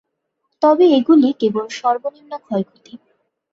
তবে এগুলি কেবল সর্বনিম্ন ক্ষয়ক্ষতি।